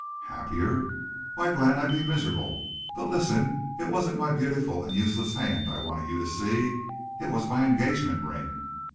"Happier! Why Glenn, I'd be miserable!... But listen. It wasn't my beautiful and useless hand I wanted you to see. It was my engagement ring."